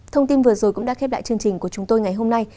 thông tin vừa rồi cũng đã khép lại chương trình của chúng tôi ngày hôm nay